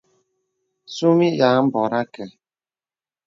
Sūmī yà àbōrà àkə.